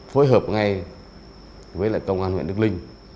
phối hợp ngay với công an huyện đức linh